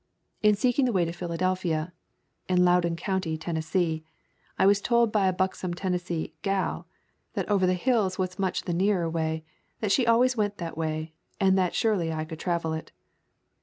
In seeking the way to Philadelphia [in Loudon County, Tennessee], I was told by a buxom Tennessee "gal" that over the hills was much the nearer way, that she always went that way, and that surely I could travel it.